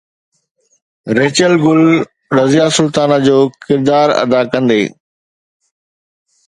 Rachel Gul Razia Sultana جو ڪردار ادا ڪندي